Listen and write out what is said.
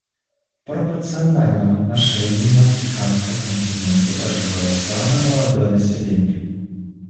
В пропорциональном отношении на Африканском континенте проживает самое молодое население.